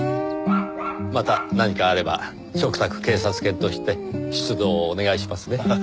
また何かあれば嘱託警察犬として出動をお願いしますね。